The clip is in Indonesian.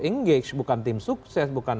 engage bukan tim sukses bukan